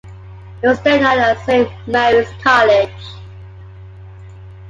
It was then known as Saint Mary's College.